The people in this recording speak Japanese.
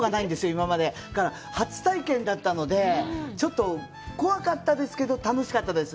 今まで初体験だったのでちょっと怖かったですけど楽しかったです